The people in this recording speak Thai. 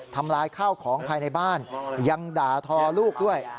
ทำลายข้าวของภายในบ้านยังด่าทอลูกด้วย